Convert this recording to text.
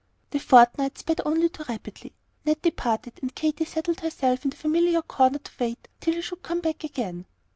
The fortnight sped only too rapidly. Ned departed, and Katy settled herself in the familiar corner to wait till he should come back again.